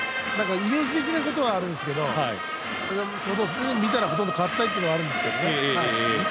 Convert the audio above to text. イメージ的なことはあるんですけど見たらほとんど変わってないっていうのもあるんですけど。